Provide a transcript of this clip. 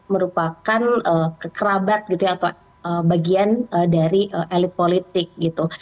merupakan kerabat gitu ya atau bagian dari elit politik gitu